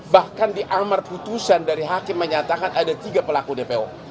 bahkan di amar putusan dari hakim menyatakan ada tiga pelaku dpo